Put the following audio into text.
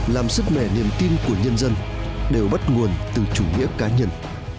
làm sức khỏe niềm tin của nhân dân đều bắt nguồn từ chủ nghĩa cá nhân